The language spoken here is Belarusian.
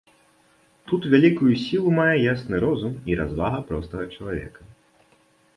Тут вялікую сілу мае ясны розум і развага простага чалавека.